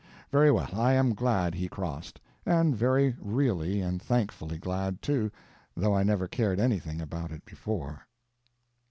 Very well, I am glad he crossed. And very really and thankfully glad, too, though I never cared anything about it before.